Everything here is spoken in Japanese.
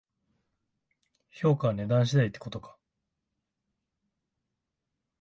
評価は値段次第ってことか